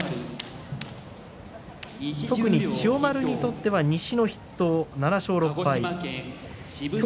特に千代丸にとっては西の筆頭、７勝６敗です。